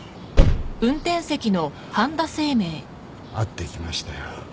会ってきましたよ。